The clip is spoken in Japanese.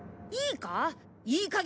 いいか？